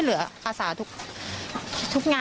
เพื่อนของไอซ์นะครับเกี่ยวด้วย